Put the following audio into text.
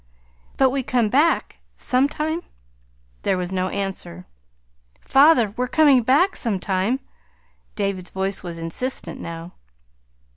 "But we come back sometime?" There was no answer. "Father, we're coming back sometime?" David's voice was insistent now.